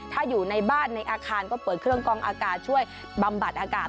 ถ้าอยู่ในบ้านในอาคารก็เปิดเครื่องกองอากาศช่วยบำบัดอากาศ